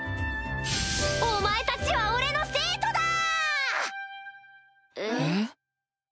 お前たちは俺の生徒だ！え？